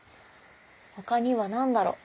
他には何だろう？